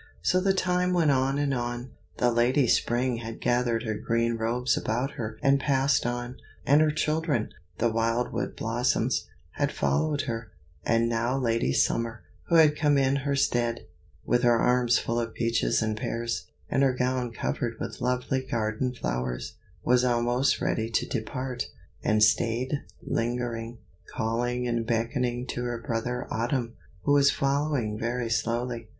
So the time went on and on. The Lady Spring had gathered her green robes about her and passed on, and her children, the wildwood blossoms, had followed her; and now Lady Summer, who had come in her stead, with her arms full of peaches and pears, and her gown covered with lovely garden flowers, was almost ready to depart, and stayed lingering, calling and beckoning to her brother Autumn, who was following very slowly.